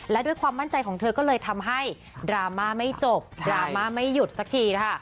และด้วยความมั่นใจของเธอก็เลยทำให้ดราม่าไม่จบดราม่าไม่หยุดสักทีนะคะ